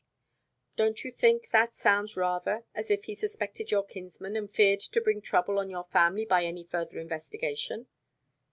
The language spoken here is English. '" "Don't you think that sounds rather as if he suspected your kinsman, and feared to bring trouble on your family by any further investigation?"